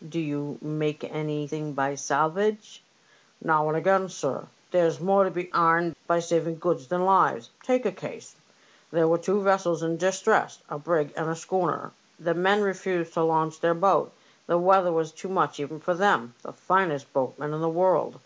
" Do you make anything by salvage ?"'* Now and again, sir. There's more to be aimed by saving goods than lives. Take a case : There were two vessels in distress, a brig and a schooner. The Deal men refused to launch their boat ; the weather was too much even for them, the finest boatmen in the world.